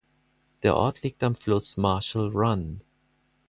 Der Ort liegt am Fluss Marshall Run.